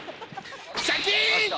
シャキン！